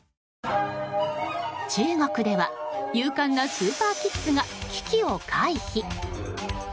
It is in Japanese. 中国では勇敢なスーパーキッズが危機を回避。